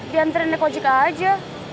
diantar indek ojik aja